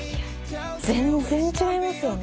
全然違いますよね。